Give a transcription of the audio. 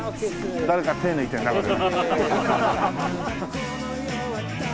誰か手抜いてるなこれ。